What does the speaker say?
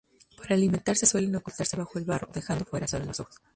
Para alimentarse, suelen ocultarse bajo el barro, dejando fuera sólo los ojos.